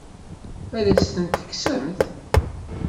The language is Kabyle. Ad as-ten-tekksemt?